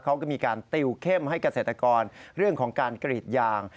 เขาก็มีการติวเข้มให้เกษตรกรเรื่องของการกรีดยาง